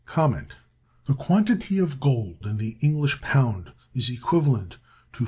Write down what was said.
The quantity of gold in the English pound is equivalent to $4.